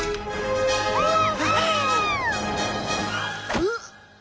うっ。